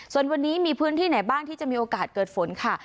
ส่วนวันนี้มีพื้นที่ไหนบ้างที่จะมีโอกาสเกิดฝนค่ะ